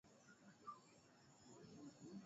pembe ya pwani afrika mwandishi wetu wa